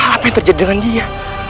apa yang terjadi dengan dia